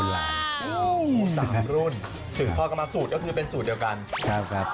สักครั้งรุ่นขึ้นท่อกันมาอย่างสูตรเดียวกัน